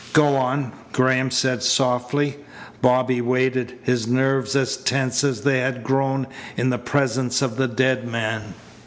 "Go on," Graham said softly. Bobby waited his nerves as tense as they had grown in the presence of the dead man.